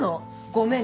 ごめん